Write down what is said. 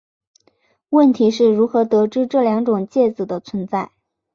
问题是如何得知这两种介子的存在。